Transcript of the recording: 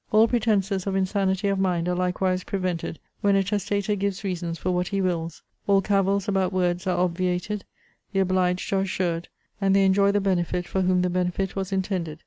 All pretences of insanity of mind are likewise prevented, when a testator gives reasons for what he wills; all cavils about words are obviated; the obliged are assured; and they enjoy the benefit for whom the benefit was intended.